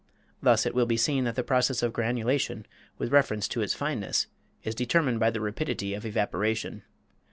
Thus it will be seen that the process of granulation with reference to its fineness is determined by the rapidity of evaporation.